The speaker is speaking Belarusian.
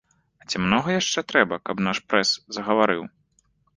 А ці многа яшчэ трэба, каб наш прэс загаварыў?